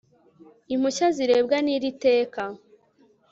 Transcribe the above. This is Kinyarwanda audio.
impushya zirebwa n'iri teka